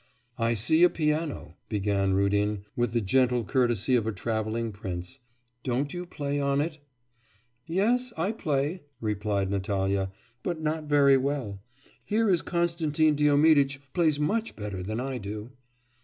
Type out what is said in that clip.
'I see a piano,' began Rudin, with the gentle courtesy of a travelling prince; 'don't you play on it?' 'Yes, I play,' replied Natalya, 'but not very well. Here is Konstantin Diomiditch plays much better than I do.